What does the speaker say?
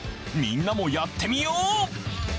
みんなもやってみよう！